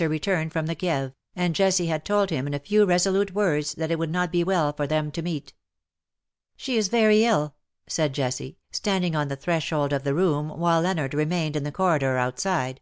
her return from the Kieve, and Jessie had told him in a few resolute words that it would not be well for them to meet. '' She is very ill/^ said Jessie, standing on the threshold of the room, while Leonard remained in the corridor outside.